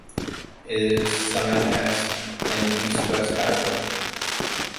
It is signed as an east-west highway.